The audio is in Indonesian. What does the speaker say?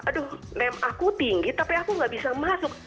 aduh name aku tinggi tapi aku gak bisa masuk